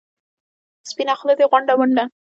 سپینه خوله دې غونډه منډه.